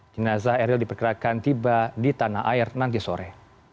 jenazah eril diperkirakan tiba di tanah air nanti sore